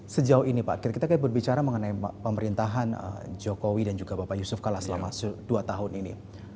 sejauh ini pak kita berbicara mengenai pemerintahan jokowi dan juga bapak yusuf kala selama dua tahun ini